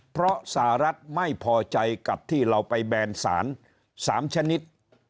เพราะสหรัฐไม่พอใจกับที่เราไปแบนสาร๓ชนิด